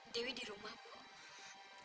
dewi di rumah bu